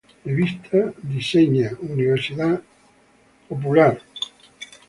Revista Diseña Universidad Católica.